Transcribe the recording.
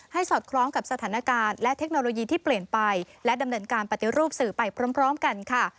สอดคล้องกับสถานการณ์และเทคโนโลยีที่เปลี่ยนไปและดำเนินการปฏิรูปสื่อไปพร้อมกันค่ะ